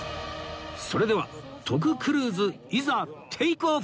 それでは徳クルーズいざテイクオフ！